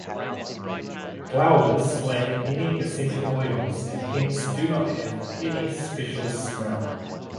Flowers lack any essential oils and hence do not have any special smell.